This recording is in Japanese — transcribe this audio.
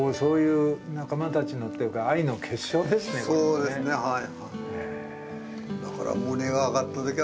そうですねはい。